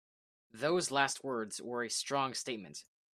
Those last words were a strong statement.